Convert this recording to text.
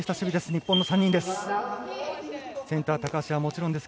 日本の３人です。